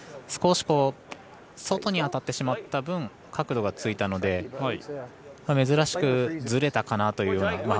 少し外に当たってしまった分角度がついたので珍しくずれたかなという。